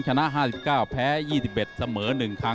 ชนะ๕๙แพ้๒๑เสมอ๑ครั้ง